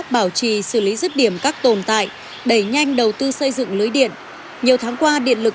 bảo trì xử lý rứt điểm các tồn tại đẩy nhanh đầu tư xây dựng lưới điện